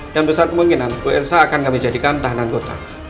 dan besar kemungkinan bu elsa akan kami jadikan tahanan kota